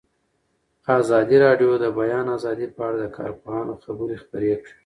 ازادي راډیو د د بیان آزادي په اړه د کارپوهانو خبرې خپرې کړي.